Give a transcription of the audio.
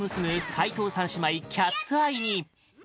怪盗３姉妹、キャッツ・アイ